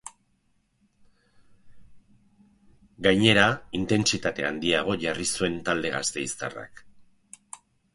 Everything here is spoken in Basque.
Gainera, intentsitate handiago jarri zuen talde gasteiztarrak.